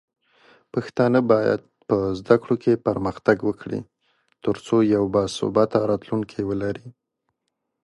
پښتانه بايد په زده کړو کې پرمختګ وکړي، ترڅو یو باثباته راتلونکی ولري.